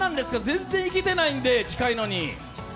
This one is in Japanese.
全然行けてないので近いのに。